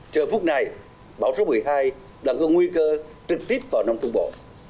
chờ phút này bão số một mươi hai đang có nguy cơ trực tiếp vào nông trung bộ